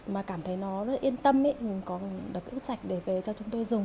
mà cảm thấy nó rất yên tâm có đập nước sạch để về cho chúng tôi dùng